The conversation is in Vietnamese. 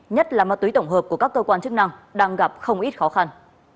nhất là ma túy tổng hợp của các cơ quan chức năng đang gặp không ít khó khăn